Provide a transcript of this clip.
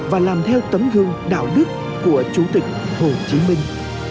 và làm theo tấm gương đạo đức của chủ tịch hồ chí minh